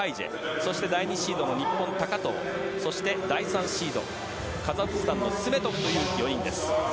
そしてシードの高藤そして、第３シードカザフスタンのスメトフという４人です。